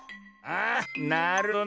あなるほどね。